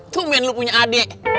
tumien lo punya adik